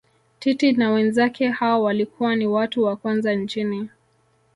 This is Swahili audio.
Titi na wenzake hao walikuwa ni watu wa kwanza nchini